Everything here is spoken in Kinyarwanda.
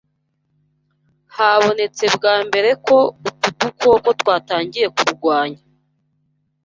habonetse bwa mbere ko utu dukoko twatangiye kurwanya